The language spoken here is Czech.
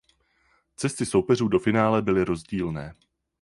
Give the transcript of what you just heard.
Cesty soupeřů do finále byly rozdílné.